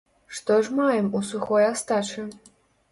Што ж маем у сухой астачы?